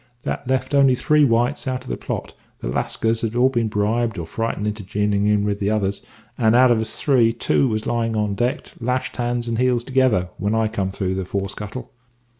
That left only three whites out of the plot the Lascars had all been bribed or frightened into jining in with t'others and, out of us three, two was lying on deck, lashed hands and heels together when I come up through the fore scuttle.